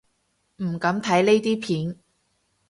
唔敢睇呢啲片